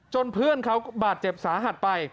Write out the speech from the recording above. เพื่อนเขาบาดเจ็บสาหัสไป